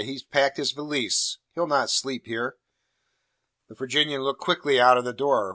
"He's packed his valise. He'll not sleep here." The Virginian looked quickly out of the door.